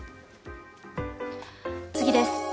次です。